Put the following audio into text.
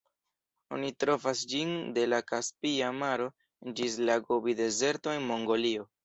Oni trovas ĝin de la Kaspia maro ĝis la Gobi-dezerto en Mongolio.